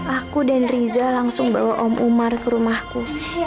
aku dan riza langsung bawa om umar ke rumahku